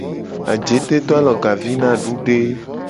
Ajete do alogavi na adude.